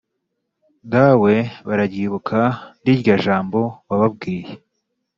dawe, bararyibuka rirya jambo wababwiye